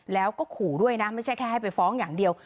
แล้วก็ขู่ด้วยนะไม่ใช่แค่ให้ไปฟ้องอย่างเดียว